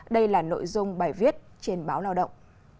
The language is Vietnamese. đây là nội dung bài viết trên báo lao động